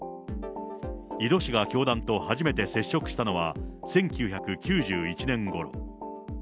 井戸氏が教団と初めて接触したのは、１９９１年ごろ。